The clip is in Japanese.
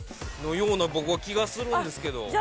のような僕は気がするんですけど。